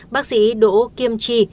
bác sĩ đỗ kiêm chi